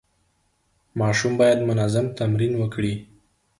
ماشوم باید منظم تمرین وکړي.